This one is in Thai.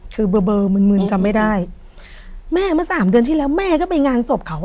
คือเบอร์เบอร์มึนมึนจำไม่ได้แม่เมื่อสามเดือนที่แล้วแม่ก็ไปงานศพเขาอ่ะ